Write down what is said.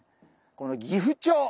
このギフチョウ！